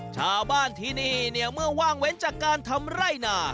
ชาวบ้านที่นี่เนี่ยเมื่อว่างเว้นจากการทำไร่นา